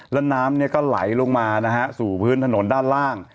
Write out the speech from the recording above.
แล้วน้ำก็ไหลลงมานะฮะสู่พื้นถนนด้านล่าง